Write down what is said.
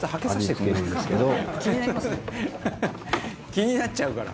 「気になっちゃうから」